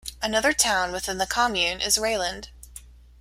Another town within the commune is Reuland.